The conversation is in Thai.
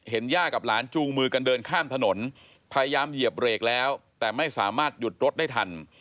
ย่ากับหลานจูงมือกันเดินข้ามถนนพยายามเหยียบเบรกแล้วแต่ไม่สามารถหยุดรถได้ทัน